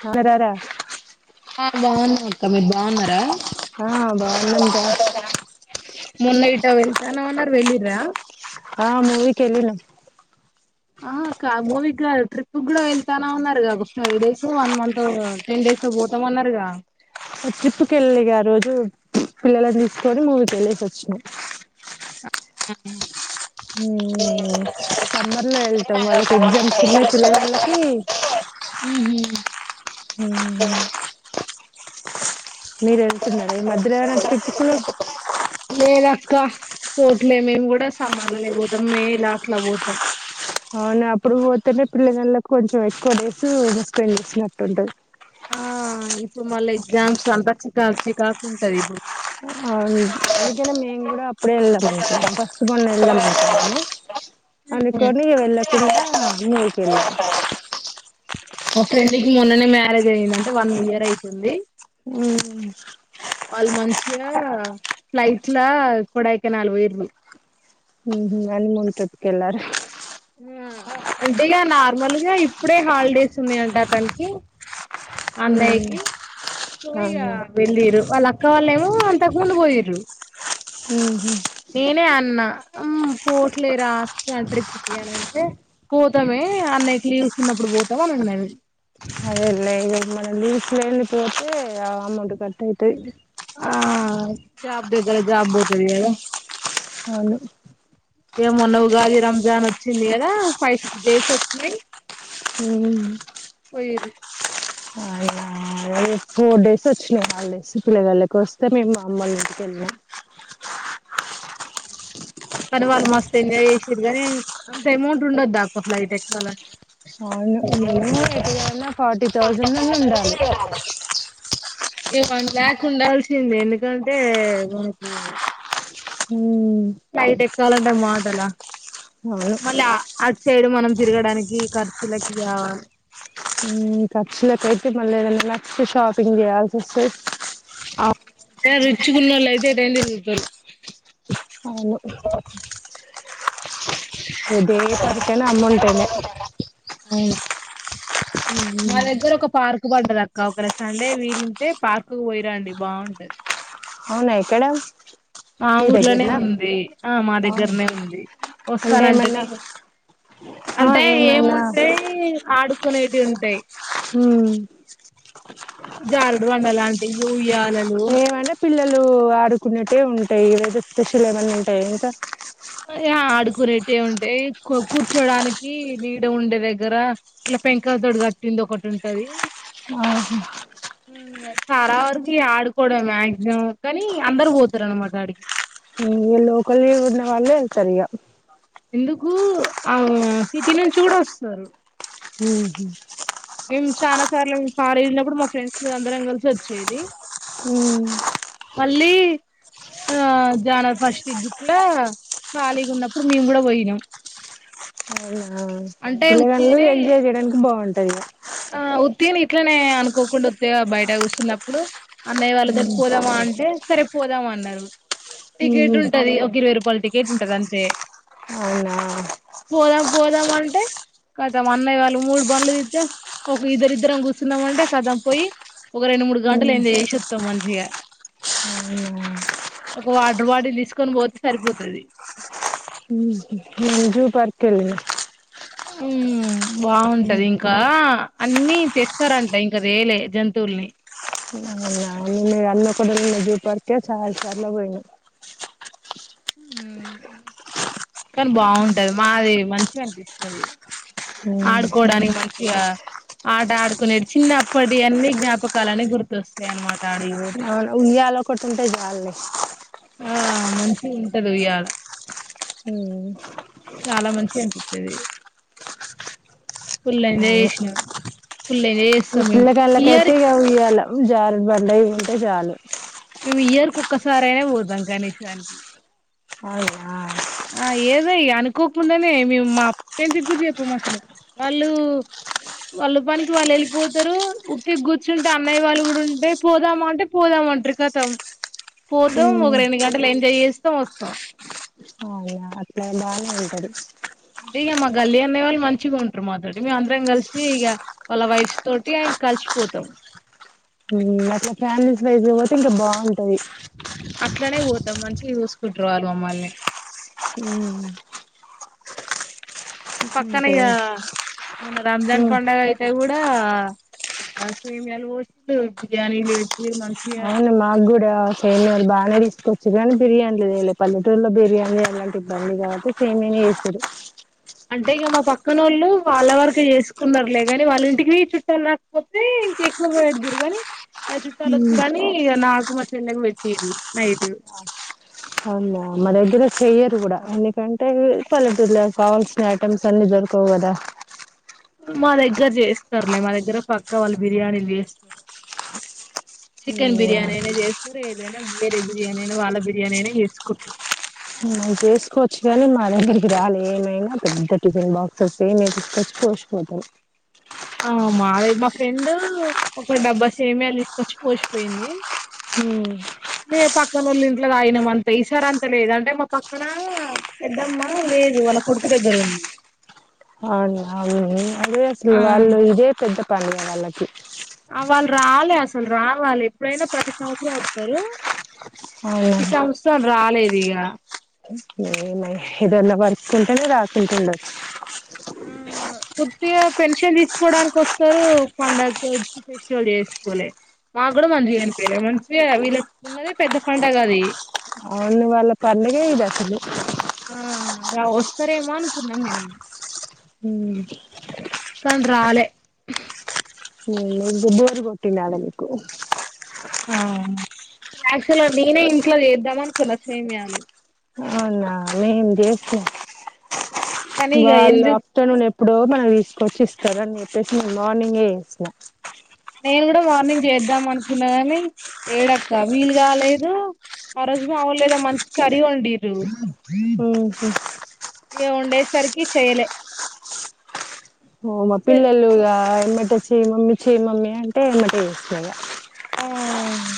హరేరారా ఆ బాగున్నాం అక్క మీర్ బాగున్నారా ఆ బాగున్నం కా మొన్న ఎటొ వెళ్తాన్నం అన్నారు వెళ్ళిరా ఆ మూవీకి వెళ్లినము ఆహ అక్క మూవీకి కాదు ట్రిప్ కి కూడా వెళ్తాన్నాం అన్నారు five days one month ten days డేసో పోతామన్నారుగా ట్రిప్పుకి వెళ్ళిగ ఆ రోజు పిల్లలని తీసుకొని మూవీకెళ్లేసి వచ్చినాం ఉ ఉ సమ్మర్ లో వెళ్తాం వాళ్ళకి ఎగ్జామ్స్ ఉన్నాయి పిల్లల వాళ్ళకి ఉహూ మీరు వెళ్తున్నారా ఈ మధ్యాహ్న ఏమన్నా ట్రిప్ కి క పోట్లే మేము కూడా సమ్మర్ లోనే పోతాం మే లా అట్లా పోతాం అవును అప్పుడు పోతేనే పిల్లగాండ్లకు కొంచెం ఎక్కువ డేస్ స్పెండ్ చేసినట్టుంటది ఆ ఇప్పుడు మళ్ళీ ఎగ్జామ్స్ అంతా చికాకు చికాకుంటది ఇప్పు అవునులే అందుకనే మేము కూడా అప్పుడే వెళ్ళమతున్నాం బస్ కొన్న వెళ్ళమతున్నాము కదా అనుకొని వెళ కుండ మూవీకి వెళ్ళాం మా ఫ్రెండ్ కి మొన్ననే మ్యారేజ్ అయ్యంది అంటే వన్ ఇయర్ అవుతుంది ఉ వాళ్ళు మంచిగా ఫ్లైట్లా కొడైకెనాల్ పోయిరు ఉహూ హనీమూన్ ట్రిప్ కి వెళ్లారు ఉ ఆ అంటే ఇగ నార్మల్గా ఇప్పుడే హాలిడేస్ ఉన్నాయంట అతనికి అన్నయకి సో ఇగా అవునా వెళ్ళిర్రు వళ్లా అక్ అక్క వాలేమో అంతకు ముందు పొయ్యిరు నేనే అన్న అమ్ పోట్లే రాస్తన్నా ట్రిప్కిి అని అంటే పోతా మే అన్న లీవ్ ఇస్తున్నప్పుడు పోతాం అని అన్నాడు నవి అదే లేదు మనం లీవ్స్ లేనిది పోతే అమౌంట్ కట్ అయితది ఆ జాబ్ దగ్గర జాబ్ పోతది కదా అవును ఇగ మొన్న ఉగాది, రంజాన్ వచ్చింది కదా ఫైవ్ సిక్స్ డేస్ వచ్చినాయి ఉ పోయిర్రు ఆ ఇగ ఆ అదే ఫోర్ డేస్ వచ్చినాయి హాలిడేస్ పిల్లవాళ్ళకి వస్తే మేము మా మ అమ్మోళ్ల ఇంటి కెళ్ళినం కానీ వాళ్ళు మస్తు ఎంజాయ్ చేసిరు కాగానీ అంత అమౌంట్ ఉండద్దా అక్క ఫ్లైట్ ఎక్కాలంటే అవును మినిమం ఎటు కాదన్నా ఫార్టీ థౌజండ్ అన్న ఉండాలి ఏ వన్ లాక్ ఉండాల్సిందే ఎందుకంటే మనకు ఉ చలంటే మాటలా మళ్ళీ అ సైడు మనం తిరగడానికి ఖర్చులకి కావాలి ఉ ఖర్చులకె అయితే మళ్ళీ ఏదైన్నానా నచ్చితే షాపింగ్ చేయాల్సి వస్తది అ టే రిచ్ గునోళ్లు అయితే ఎట్టైనా తిరుగుతారు అవును డే పది కే అమ్మౌంటనే అవును మా దేగ్గర ఒక పార్క్ క్కు పడది అక్క ఒకరు సండే వీలుంటే పార్క్ పోయి రండి బాగుంటది అవునా ఏక్కడ మా ఊర్లోనే ఉంది ఆ మా దగ్గరనే ఉంది అంటే వస్తానంటే ఏమన్నా నేను ఆ అంటే ఏమన్నా ఏముంటాయి ఆడుకునేవి ఉంటాయి ఉ జారు బండలాంటి యూయా ఏమంటే పిల్లలు ఆడుకునేటువే ఉంటాయి. ఈ రోజు స్పెషల్ ఏమనా ఉంటాయ ఇంకా? అ ఆడుకునేటువే ఉంటాయి కు కూర్చోడానికి నీడ ఉండే దగ్గర ఇ పెంకలతోటి కట్టింది ఒకటి ఉంటాది. ఆహా!. చాలా వరకు ఆడుకోవడం మాక్సిమం కానీ, అందరు పోతారు అన్నమాట ఆడికి. లోకలి ఉన్న వాళ్ళే వెళ్తారు ఇంక. ఎందుకు ఆ సిటీ నుంచి చూడ వస్తారు. మ్ మేము చాలా సార్లు కాలేజ్ ఉన్నప్పుడు మా ఫ్రెండ్స్ అందరం కలిసి వచ్చేది. హ్మ్. అల్లీ ఆ జనవరి ఫస్ట్ గిట్లా ఖాళీగా ఉన్నప్పుడు మేము కూడా పోయినాం. అవునా అంటే పిల్లగాళ్లు ఉత్తిగనే ఎంజాయ్ చేయడానికి బాగుంటుంది. ఆ ఉత్తిగా ఇట్లనే అనుకోకుండా ఉత్తిగ బయట కూసున్నప్పుడు. అన్నయ్య వాళ్ళతోటి పోదామా? అంటే, సరే పోదామా అన్నారు. టికెట్ హ్మ్ ఉంటది. ఒక ఇరవై రూపాయల టికెట్. కిట్ ఉంటది అంతే. అవునా? పోదాం పోదాం అంటే, కదం అన్నయ్య వాళ్ళు మూడు బండ్లు తీస్తే ఒక ఇద్దరిద్దరం కూర్చన్నామంటే, కదం పోయి ఒక రెండు మూడు గంటలు ఏంజాయ్ చేసొత్తం మంచిగా. అ [unintelligible] ఒక వాటర్ బాటిల్ తీసుకొని పోతే సరిపోతుంది. జూ పార్క్ కెల్లిన. హ్మ్ బాగుంటది ఇంకా. అన్నీ తెస్తారంట, ఇంకా తేలే జంతువుల్ని. అన్నీ ఒకదగ్గర ఉన్న జూపార్క్ కే చాలా సార్లు పోయినాం. ఉమ్ కానీ బాగుంటది మాది మంచిగా అనిపిస్తుంది. హ్మ్. ఇగా ఆట ఆడుకునేది చిన్నప్పటి అన్నీ జ్ఞాపకలుని గుర్తొస్తాయి అన్నమాట. ఉయ్యాల ఒకటుంటే జాలులే. ఆ మంచిగ ఉంటాది ఉయ్యాల. హ్మ్ చాలా మంచిగ అనిపిత్తాది. పుల్ ఎంజాయ్ చేసినాం. ఫుల్ ఎంజాయ్ చేస్తాం మేము పిల్లగాళ్లకైతే ఇయర్ ఇక ఉయ్యాల, జారు బండ ఉంటే చాలు మేము ఇయర్ ఒక్కసారి అయినా పోతాం గనేషానికి అవునా ఆ ఏదో అనుకోకుడానే మేము మా ఫ్రెండ్స్ కి చెప్పాము అసలు వాళ్ళు. వాళ్ళు పనికి వాళ్ళు వెళ్ళిపోతారు. ఉట్టిగా కూర్చుంటే అన్నయ్య వాళ్ళు కూడా ఉంటే పోదామా అంటే పోదాము. ఒంటరి కతం. పోతాం ఒక ఉమ్ రెండు గంటలు ఎంజాయ్ చేస్తాం. వస్తాం. అకడి [unintelligible] అంటే ఇక మా గల్లీ అన్నయ్య వాళ్ళు మంచిగా ఉంటారు. మేమందరం కలిసి ఇక వాళ్ళ వైఫ్స్ తోటి కలిసిపోతాం. అట్లా ఫ్యామిలీస్ వైజ్ పోతే ఇంకా బాగుంటది. అట్లనే పోతాం మంచి చూసుకుంటారు వాళ్ళు మమ్మల్ని. హ్మ్. పక్కన ఇగ మొన్న రంజాన్ ఉమ్ పండగ అయి అంటే కూడా సేమయాలు పోసి, బిర్యానీలు వచ్చి మ అ మాగ్గూడా సేమ్యాల్ బాగానేతీసు వచ్చుగానీ, బిర్యానీ లేదుళ్లే పల్లెటూరులో బిర్యానీ అలాంటి ఇబ్బంది కాబట్టి సేమ్యానే చేసిది. అంటే ఇక మా పక్కన వాళ్ళు వాళ్ళ వరకి చేసుకున్నారులే, కాని వాళ్ళ ఇంటికి చుట్టాలు రాకపోతే. కొద్దిగా ఎక్కువ పడేట్టుందిగాని ఉమ్ ఇకచుట్టాలోచ్చిర్రు కానీ నాకు మా చెల్లెకు పెట్టేరు నైట్ అవున మా దగ్గర చెయ్యరు కూడా ఎందుకంటే పల్లెటూర్లో కావాల్సిన ఐటెమ్స్ అన్ని దోర్ రకవుకదా మా దగ్గర చేస్తారులే మా దగ్గర పక్కా వాళ్ళు బిర్యానీలు చేస్తారు. చికెన్ బిర్యానీనైనా చే కూర ఏదైనా బేర బిర్యాని వాళ్ళ బిర్యానీనే చేస్కుట్రు. మేం చేసుకోవచ్చు కాని మా దగ్గరికి రాలే ఏమైనా పెద్ద టిఫిన్ బాక్స్స్ ఏమ్ ఎపిచ్కోచ్చుకోరు పోతరు ఆ మావే మా ఫ్రెండు ఒక డబ్బా సేమియాలు తీసుకొచ్చి పోసిపోయింది. మ్ మేం పక్కనోళ్ళ ఇంట్లో తాగినాం అంతే ఈ సారంత లేదు అంటే మా పక్కన పెద్దమ్మా లేదు. వాళ్ళ కొడుకు దగ్గరుంది. అవునా అవును అదే అస్సలు వాళ్ళు ఇదే పెద్ద పండగ వాళ్ళకి. అ వాళ్ళు రాలే అస్సలు రావాలి ఎప్పుడైనా ప్రతి సంవత్సరం ఓత్తరు. అవునా, ఈ సంవత్సరం రాలేదిగ. ఏమొ ఏదన్న వర్క్ఉంటది రాకుంటుండచ్చు. ప్రతియర్ పెన్షన్ తీసుకోవడానికి వస్తారు పండగకోచ్చి ఫెస్టివల్ చేసుకోలే. మాక్కూడా మంచిగా అనిపీయలే మంచిగా వీళ్ళకున్నదే పెద్ద పండగది. అవును వాళ్ళ పండగే ఇదసలు. ఆ రా వస్తరేమో అనుకున్నాం మేము. హ్మ్. కాని రాలే. [unintelligible] బోర్ కొట్టిందాడ మీకు అవును. యాక్చువల్గా నేనే ఇంట్లో చేద్దామనుకున్నా సేమియాలు అవునా మేం చేసినాం. కానీ ఇక వాళ్ళ ఎందుకు అత్తోళ్ళు ఎప్పుడో నాకి తీసుకొచ్చి ఇస్తారని చెప్పేసి నేను మార్నింగే చేసిన నేను కూడా మార్నింగ్ చేద్దాం అనుకున్నా కానీ ఏడక్క వీలు కాలేదు. ఆ రోజు మావోల్లేదో మంచి కర్రీ వండీర్రు. ఆహా ఇక వండేసరికి చేయలే ఓ మా పిల్లలు ఇగా ఎమ్మట చేయ్ మమ్మీ చేయ్ మమ్మీ అంటే ఎమ్మటే చేసినా ఇగ. ఆ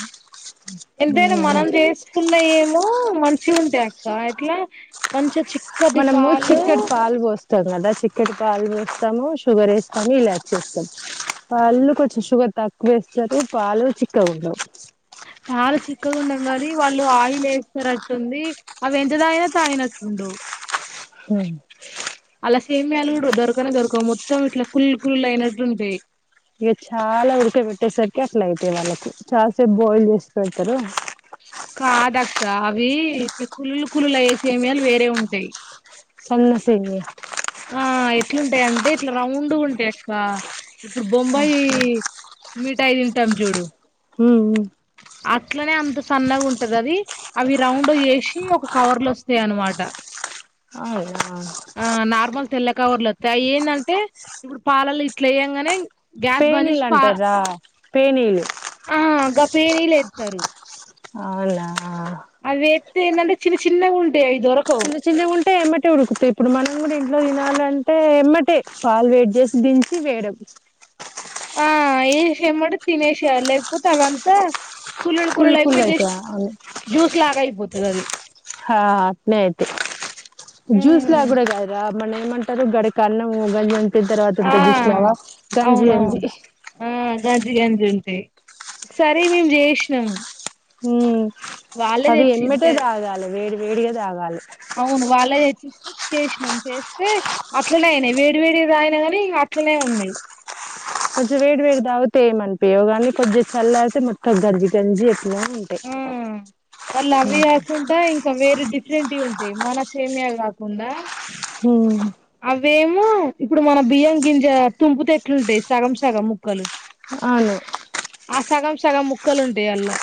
ఎంతైనా ఇగ మనం చేసుకున్నాయే మో మంచిగుంటాయక్క ఎట్లా మంచిగ చిక్క్ మనము చిక్కటి పాలు బోస్త్ స్త కదా చిక్కటి పాలు బోస్తాము షుగర్ ఏస్తాము ఇలాచి ఏస్తామ్. వాళ్ళు కొంచెం షుగర్ తక్కువేస్తారు పాలు చిక్కగుండవ్. పాలు చిక్కగా ఉండం కానీ వాళ్ళు ఆయిల్ వేస్తారట్టుంది అవి ఎంత తాగిన తాగినట్టుండవ్. మ్ ఆళ్ళ సేమియాలు కూడా దొరకనే దొరకవ్ మొత్తం ఇట్లా కుల్ కుల్ అయినట్టు ఉంటాయ్. ఇక చాలా ఉడక పెట్టేసరికి అట్లా అయితాయ్ వాళ్ళకి చాలాసేపు బాయిల్ చేస్తరు కదా. కాదక్క అవి ఇట్లా కుల్లు కుల్లు అయ్యే సేమియాలు వేరే ఉంటాయి. సన్న సేమియా ఎట్లుంటయి అంటే ఇట్లా రౌండుగుంటాయక్క ఇప్పుడు బొంబాయి. మిఠాయి తింటాం చూడు. హ్మ్. హ్మ్. అట్లనే అంత సన్నగా ఉంటదది అవి రౌండు చేసి ఒక కవర్లో వస్తాయనమాట. అవునా ఆ నార్మల్ తెల్ల కవర్లు వత్తయ్ అవి ఏంటంటే ఇప్పుడు పాలల్లా ఇట్లేయ్యాంగానే. పేనీలాంటారా పేనీలు. ఆ గా ఫేరీలేస్తారు అవునా అవి ఎస్తే ఏంటంటే చిన్న చిన్నగా ఉంటాయి అవి దొరకవు చిన్న చిన్నగా ఉంటాయి అంటే వెంబటే ఉడుకుతాయి ఇప్పుడు మనం కూడా ఇంట్లో తినాలి అంటే వెంబటే పాలు వేడి చేసి దించి వేయడం. ఆ వేసి వెంబటే తినేసేయ్యాలి లేకపోతే అవి అంతా కుల్లుడు కుళ్ళు కుల్లుడు కుళ్ళు అయిపోయి జస్ట్ అయితదా అని జ్యూస్ లాగా అయిపోతది అది హా అంతే అయితే జ్యూస్ లగా ఉమ్ కూడా కాదురా మరి ఏమంటారు గడికన్నం గంజీ అంటారా దాని తర్వాత ఆ ఉంటది చూసినవా గంజి గంజి గంజీ అంటే ఒకసారి మేము చేసినాము మ్మ్ అవి వెంబటే తె తాగాలి వేడి వేడిగా తాగాలి అవును వాళ్ళ తెచ్చిస్తే చేసినం చేస్తే అట్లనే అయినాయి వేడి వేడిది తాగిన గాని అట్లనే ఉన్నాయ్ కొంచెం వేడి వేడి తాగితే ఏమనిపియ్యవుగాని కొద్దిగా చల్లరితే మొత్తం గంజి గంజి ఎట్లా ఉంటాయి ఆ మళ్ళీ అవి కాకుంటా ఇంకా వేరే టివి ఉంటాయి మన సేమీయా కాకుండా మ్మ్ అవేమో ఇప్పుడు మన బియ్యం గింజ తుంపుతే ఏట్లుంటాయి సగం సగం ముక్కలు అవును ఆ సగం సగం ముక్కలు ఉంటాయి అన్లా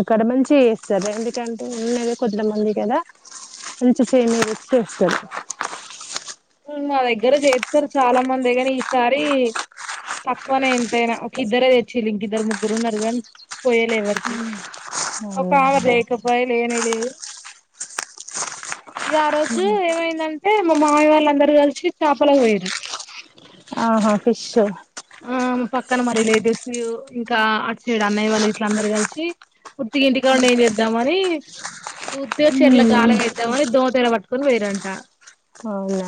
అక్కడ మంచిగా చేస్తారు ఎందుకంటే ఉన్నది కొద్ది మంది కదా మంచిగా సేమియా తెచ్చి చేస్తారు మా దగ్గర చేస్తారు చాలా మంది కాని ఈసారి తక్కువనే ఎంతైనా ఒక ఇద్దరే తెచ్చిన్రు ఇంక ఇద్దరు ముగ్గురున్నరు కాని పోయలే ఎవరికి ఒక అవునా ఆమె లేకపాయే లేనే లేదు ఇగ ఆ రోజు ఏమైందంటే మా మామయ్య వాళ్ళచ్చి అందరు కలిసి చాపలకు పోయిన్రు ఆహా ఫిష్ పక్కన మా రిలేటివ్స్ ఇంకా అటుసైడ్ అన్నయ్య వాళ్ళు అందరు కలిసి ఉత్తిగా ఇంటికానుండి ఏం చేద్దామని ఉత్తిగా చెరువులో మ్మ్ గాలం వేద్దామని దోమతేరా పట్టుకొని పోయిరంట అవునా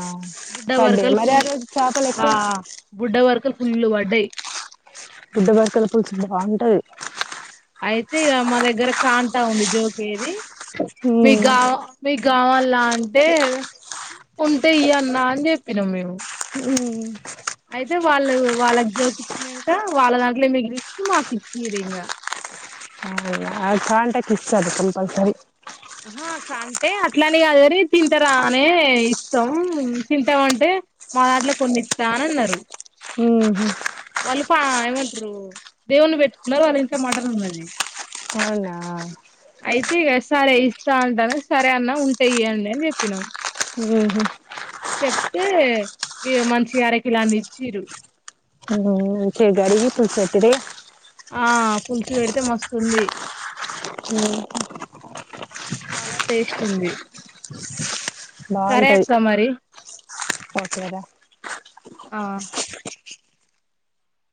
బుడ్డ పడ్డాయి పర్కలు మరి ఫుల్ ఆ రోజు చేపలు ఆ ఎక్కువ బుడ్డ పర్కలు ఫుల్ పడ్డయి బుడ్డ పర్కల పులుసు బాగుంటది అయితే ఇగ మా దగ్గర కాంటా ఉంది జోకేది మీకు మ్మ్ కావాలా నీకు కావాల్నా అంటే ఉంటే ఇయ్యన్న అని చెప్పినాం మేము మ్మ్ అయితే వాళ్ళు వాళ్ళకి జోకి ఇచ్చినంకా వాళ్ళ దాంట్లో మిగిలింది మాకు ఇచ్చిన్లు ఇంకా అ కాంటకి ఇస్తారా అది కంపల్సరి ఆ అంటే అట్లనే కాదుగని తింటరా అని ఇస్తం తింటామంటే మా దాంట్లో కొన్ని ఇస్తా అని అన్నారు మ్మ్ వాళ్ళు ఏమంటారు దేవున్ని పెట్టుకున్నారు వాళ్ళ ఇంట్లో మటన్ ఉన్నది ఆ అయితే ఇగ సరే ఇస్తా అంటాన్రు గా సరే అన్న ఉంటా ఇయ్యండి అని చెప్పినాము మ్మ్ చెప్తే ఇగా మంచిగా అరకిలన్ని ఇచ్చిరు మంచిగా కడిగి పుల్స్ పెట్టుడే ఆ పులుసు పెడితే మస్తుంది [unintelligible] చాలా టేస్ట్ ఉంది. సరే అక్క మరి ఓకే రా ఆ